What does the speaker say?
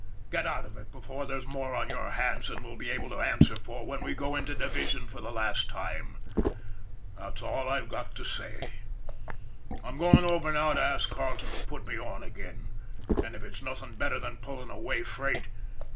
Get out of it before there's more on our hands than we'll be able to answer for when we go into Division for the last time. That's all I've got to say. I'm going over now to ask Carle ton to put me on again, if it's nothing better than pulling a way freight.